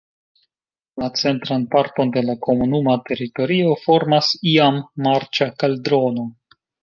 La centran parton de la komunuma teritorio formas iam marĉa kaldrono.